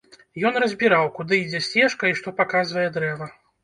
Ён разбіраў, куды ідзе сцежка і што паказвае дрэва.